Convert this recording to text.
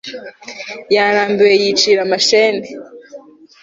yarambiwe yicira amashene